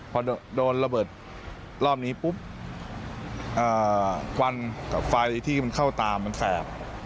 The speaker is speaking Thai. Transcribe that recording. พอโดนระเบิดรอบนี้ปุ๊บควันกับไฟที่มันเข้าตามันแสบ